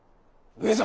上様！